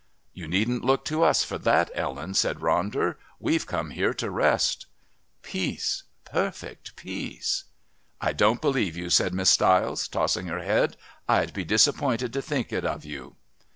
"You needn't look to us for that, Ellen," said Ronder. "We've come here to rest " "Peace, perfect peace...." "I don't believe you," said Miss Stiles, tossing her head. "I'd be disappointed to think it of you."